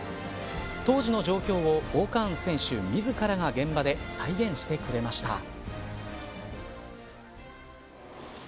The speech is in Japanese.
当時の状況をＯ‐カーン選手自らが現場で再現してくれました。